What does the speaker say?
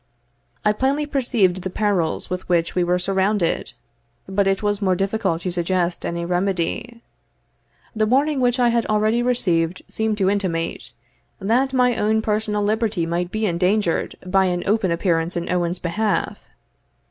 I plainly perceived the perils with which we were surrounded, but it was more difficult to suggest any remedy. The warning which I had already received seemed to intimate, that my own personal liberty might be endangered by an open appearance in Owen's behalf.